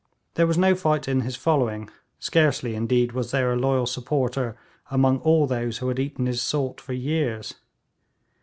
There was no fight in his following; scarcely, indeed, was there a loyal supporter among all those who had eaten his salt for years.